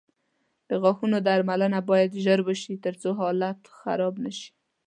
د غاښونو درملنه باید ژر وشي، ترڅو حالت خراب نه شي.